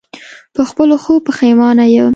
په خپلو ښو پښېمانه یم.